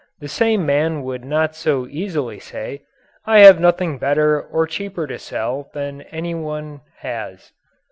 The same man would not so easily say: "I have nothing better or cheaper to sell than any one has."